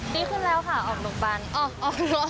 ดีขึ้นแล้วค่ะออกโรงพยาบาล